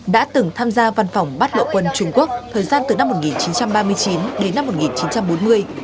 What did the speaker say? đã từng tham gia văn phòng bắt lộ quân trung quốc thời gian từ năm một nghìn chín trăm ba mươi chín đến năm một nghìn chín trăm bốn mươi